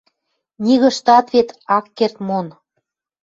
Нигыштат вет ак керд мон.